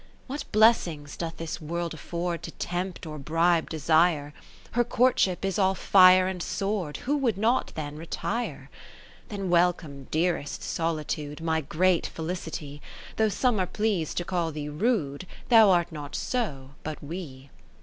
What blessings doth this World afford To tempt or bribe desire ? Her courtship is all fire and sword, Who would not then retire? Then welcome, dearest Solitude, My great felicity ; 30 Though some are pleas'd to call thee rude. Thou art not so, but we.